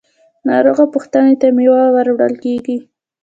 ناروغه پوښتنې ته میوه وړل کیږي.